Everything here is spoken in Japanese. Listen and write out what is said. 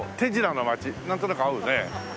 なんとなく合うねえ。